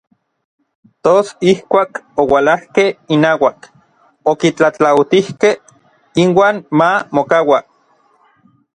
Tos ijkuak oualajkej inauak, okitlatlautijkej inuan ma mokaua.